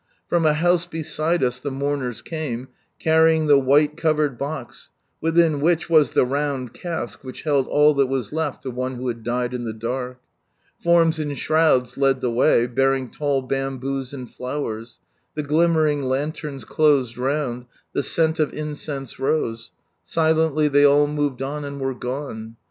From a house beside us the mourners came, carrj'ing the white covered box, within which was the round cask which held all that was left of one who had died in the dark. Forms in shrouds led the way, bearing tall bamboos and flowers, the gUmmering lanterns closed round, the scent of incense rose, silently ihey all moved on and were gone.